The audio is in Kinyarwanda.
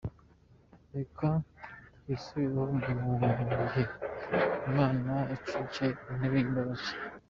Reka twisubireho mu gihe Imana icyicaye ku ntebe y’imbabazi!